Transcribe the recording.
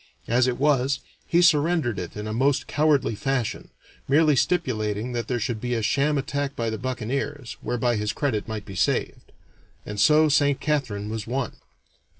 As it was, he surrendered it in a most cowardly fashion, merely stipulating that there should be a sham attack by the buccaneers, whereby his credit might be saved. And so Saint Catharine was won.